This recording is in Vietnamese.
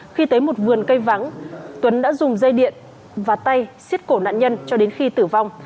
khi tới một vườn cây vắng tuấn đã dùng dây điện và tay xiết cổ nạn nhân cho đến khi tử vong